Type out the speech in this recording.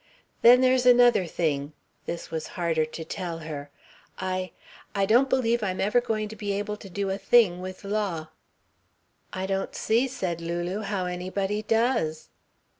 "Then there's another thing." This was harder to tell her. "I I don't believe I'm ever going to be able to do a thing with law." "I don't see," said Lulu, "how anybody does."